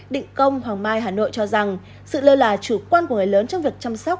định công hoàng mai hà nội cho rằng sự lơ là chủ quan của người lớn trong việc chăm sóc